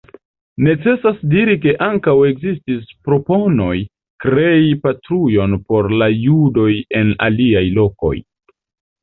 Necesas diri ke ankaŭ ekzistis proponoj krei patrujon por la judoj en aliaj lokoj.